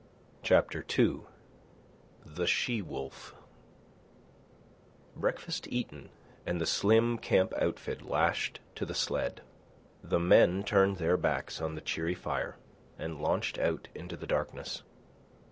CHAPTER II THE SHE WOLF Breakfast eaten and the slim camp outfit lashed to the sled, the men turned their backs on the cheery fire and launched out into the darkness.